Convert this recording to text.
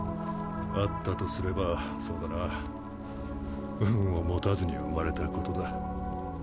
あったとすればそうだな運を持たずに生まれたことだ。